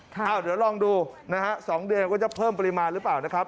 เดี๋ยวลองดู๒เดือนก็จะเพิ่มปริมาณหรือเปล่า